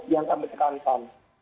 yang kami sekankan